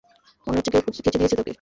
মনেহচ্ছে কেউ খেচে দিয়েছে তোকে?